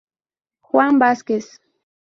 Juan Vázquez.